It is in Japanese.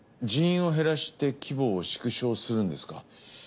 人員を減らして規模を縮小するんですか？